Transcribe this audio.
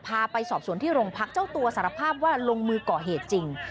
พาไปสอบสวนที่โรงพักเจ้าตัวสารภาพว่าลงมือก่อเหตุจริง